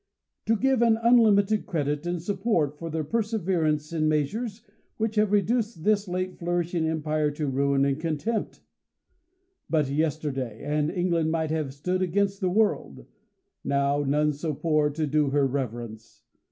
To give an unlimited credit and support for the perseverance in measures, vvhich have reduced this late flourishing empire to ruin and contempt! "But yesterday, and England might have stood against the world : now none so poor to do her reverence."